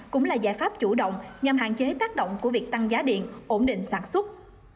cũng là giải pháp chủ động nhằm hạn chế tác động của việc tăng giá điện ổn định sản xuất